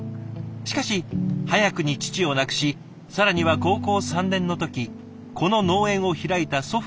しかし早くに父を亡くし更には高校３年の時この農園を開いた祖父が病に。